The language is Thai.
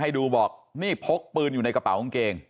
ให้ดูบอกนี่พกปืนอยู่ในกระเป๋ากางเกง